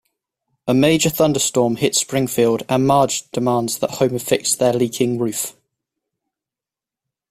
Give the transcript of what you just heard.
A major thunderstorm hits Springfield, and Marge demands that Homer fix their leaking roof.